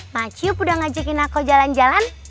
maciup udah ngajakin aku jalan jalan